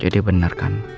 jadi bener kan